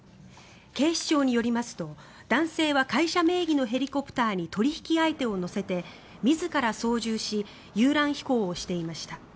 警視庁によりますと男性は会社名義のヘリコプターに取引相手を乗せて、自ら操縦し遊覧飛行をしていました。